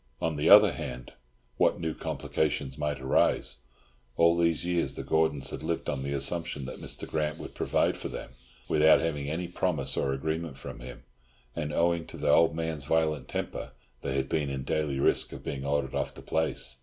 On the other hand, what new complications might arise? All these years the Gordons had lived on the assumption that Mr. Grant would provide for them, without having any promise or agreement from him; and, owing to the old man's violent temper, they had been in daily risk of being ordered off the place.